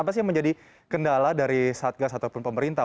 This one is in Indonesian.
apa sih yang menjadi kendala dari satgas ataupun pemerintah